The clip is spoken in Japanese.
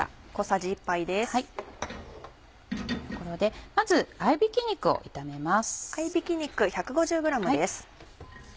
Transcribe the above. これでまず合びき肉を炒めます。